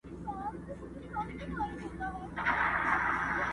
ما ته شجره یې د نژاد او نصب مه راوړی.